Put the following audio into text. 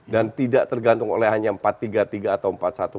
dan tidak tergantung hanya empat tiga tiga atau empat satu empat satu